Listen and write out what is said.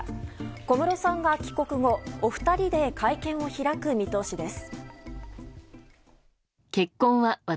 小室さんが帰国後お二人で会見を開く見通しです。